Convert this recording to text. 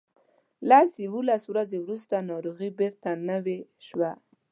لس یوولس ورځې وروسته ناروغي بیرته نوې شوه.